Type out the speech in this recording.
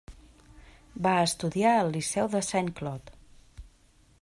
Va estudiar al liceu de Saint-Cloud.